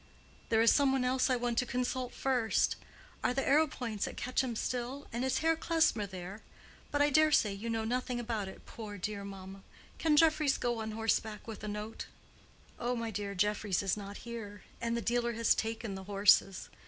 "There is some one else I want to consult first. Are the Arrowpoints at Quetcham still, and is Herr Klesmer there? But I daresay you know nothing about it, poor, dear mamma. Can Jeffries go on horseback with a note?" "Oh, my dear, Jeffries is not here, and the dealer has taken the horses.